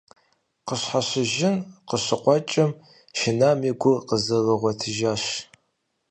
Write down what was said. Къыщхьэщыжын къыщыкъуэкӀым, шынам и гур къызэрыгъуэтыжащ.